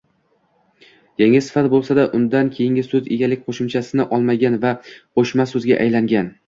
Yangi sifat boʻlsa-da, undan keyingi soʻz egalik qoʻshimchasini olmagan va qoʻshma soʻzga aylangan